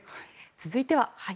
続いては。